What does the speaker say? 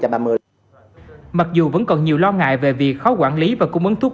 thuốc prep nhưng vẫn còn nhiều lo ngại về việc khó quản lý và cung ứng thuốc